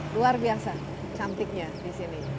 luar biasa cantiknya di sini